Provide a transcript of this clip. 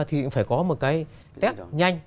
thì phải có một cái test nhanh